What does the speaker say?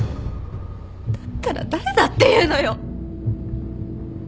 だったら誰だっていうのよ！